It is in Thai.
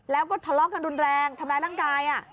แล้วก็ทะเลาะกันรุนแรงทำร้ายร่างกาย